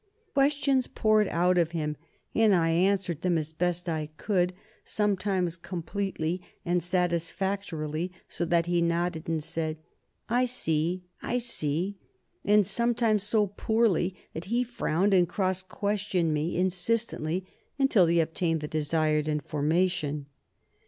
Questions poured out of him, and I answered them as best I could: sometimes completely, and satisfactorily, so that he nodded and said, "I see! I see!" and sometimes so poorly that he frowned, and cross questioned me insistently until he obtained the desired information.